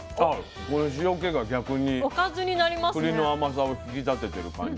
この塩気が逆にくりの甘さを引き立ててる感じ。